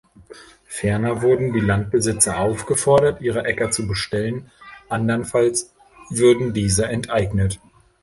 Ferner wurden die Landbesitzer aufgefordert, ihre Äcker zu bestellen, andernfalls würden diese enteignet.